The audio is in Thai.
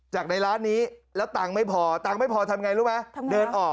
ในร้านนี้แล้วตังค์ไม่พอตังค์ไม่พอทำไงรู้ไหมเดินออก